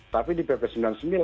kami bukan undang undang khusus